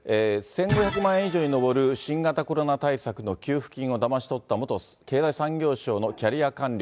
１５００万円以上に上る、新型コロナ対策の給付金をだまし取った元経済産業省のキャリア官僚。